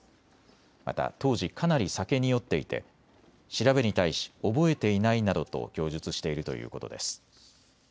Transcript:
また当時、かなり酒に酔っていて調べに対し覚えていないなどと供述しているということです。